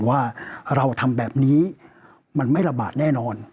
ว่าเราทำแบบนี้มันไม่ระบาดแน่นอน